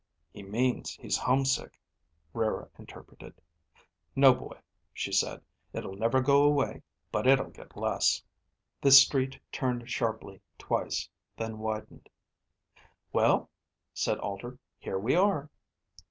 "He means he's homesick," Rara interpreted. "No, boy," she said. "It'll never go away. But it'll get less." The street turned sharply twice, then widened. "Well," said Alter. "Here we are."